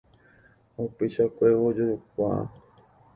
Ha upeichakuévo ojokuaa.